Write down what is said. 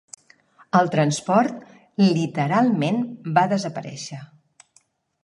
El transport, literalment, va desaparèixer.